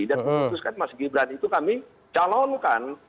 dan keputuskan mas gibran itu kami calonkan